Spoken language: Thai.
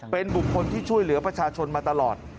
เป็นบุคคลที่ช่วยเหลือประชาชนมาตลอด